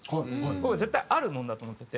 僕絶対あるもんだと思ってて。